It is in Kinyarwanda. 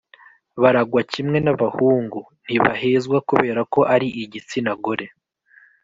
baragwa kimwe n’abahungu, ntibahezwa kubera ko ari igitsina gore.